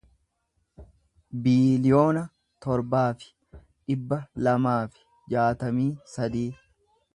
biiliyoona torbaa fi dhibba lamaa fi jaatamii sadii